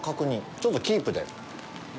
ちょっとキープで。